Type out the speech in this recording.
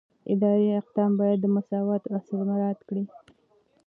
اداري اقدام باید د مساوات اصل مراعات کړي.